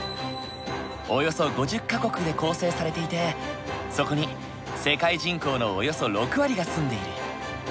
およそ５０か国で構成されていてそこに世界人口のおよそ６割が住んでいる。